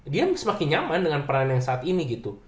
dia semakin nyaman dengan peran yang saat ini gitu